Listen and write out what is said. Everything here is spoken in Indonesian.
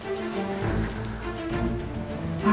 tolong jujur ma